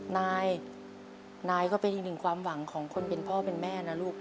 นายนายก็เป็นอีกหนึ่งความหวังของคนเป็นพ่อเป็นแม่นะลูก